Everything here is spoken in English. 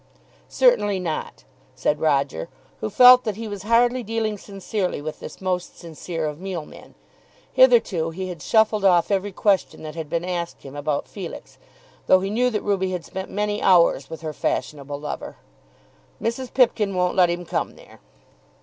"Certainly not," said Roger, who felt that he was hardly dealing sincerely with this most sincere of mealmen. Hitherto he had shuffled off every question that had been asked him about Felix, though he knew that Ruby had spent many hours with her fashionable lover. "Mrs. Pipkin won't let him come there."